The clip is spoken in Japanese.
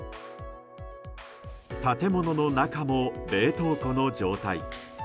建物の中も冷凍庫の状態。